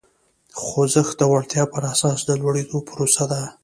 خوځښت د وړتیا پر اساس د لوړېدو پروسه ده.